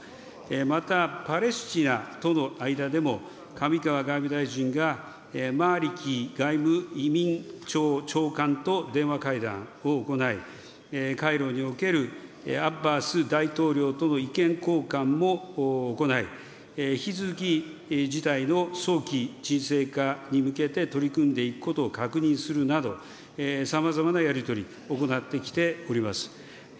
またパレスチナとの間でも、上川外務大臣が、マーリキ外務移民庁長官と電話会談を行い、カイロにおけるアッバス大統領との意見交換も行い、引き続き事態の早期鎮静化に向けて、取り組んでいくことを確認するなど、さまざまなやり取り行ってきております。